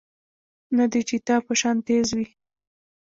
نۀ د چيتا پۀ شان تېز وي